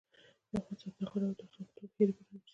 افغانستان تر هغو نه ابادیږي، ترڅو مو ټولې هیلې پوره نشي.